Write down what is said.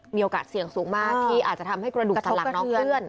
มีโอกาสเสี่ยงสูงมากที่อาจจะทำให้กระดูกสันหลังน้องเคลื่อน